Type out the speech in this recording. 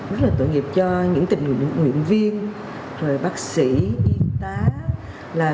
rất là tội nghiệp cho những tình nguyện viên bác sĩ yên tá